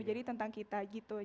jadi tentang kita gitu